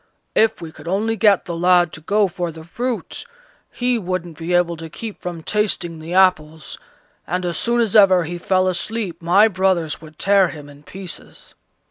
If we could only get the lad to go for the fruit, he wouldn't be able to keep from tasting the apples, and as soon as ever he fell asleep my brothers would tear him in pieces."